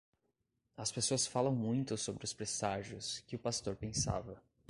As pessoas falam muito sobre os presságios que o pastor pensava.